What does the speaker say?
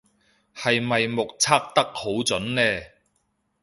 係咪目測得好準呢